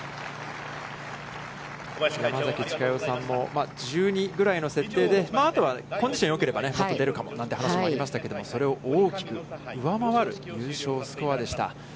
山崎千佳代さんも、１２ぐらいの設定で、あとはコンディションがよければもっと出るかもと話していましたが、それを大きく上回る、優勝スコアでした。